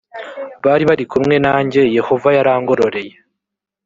bari bari kumwe nanjye yehova yarangororeye